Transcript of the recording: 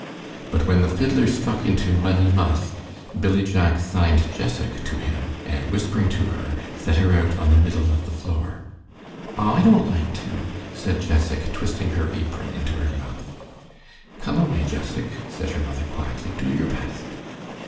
But when the fiddler struck into Money Musk, Billy Jack signed Jessac to him, and whispering to her, set her out on the middle of the floor. "Aw, I don't like to," said Jessac, twisting her apron into her mouth. "Come away, Jessac," said her mother, quietly, "do your best."